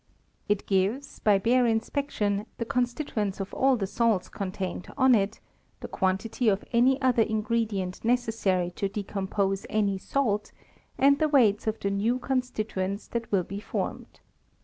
It gives, by bare inspection, the constituents of all Che Baits contained on it, the quantity of any other ingredient necessary to decompose any salt, and the weights of the new constituents that nil! be formed.